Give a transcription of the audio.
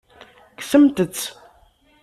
Kksemt-t.